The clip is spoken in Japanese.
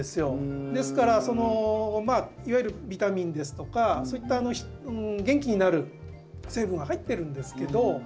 ですからいわゆるビタミンですとかそういった元気になる成分は入ってるんですけど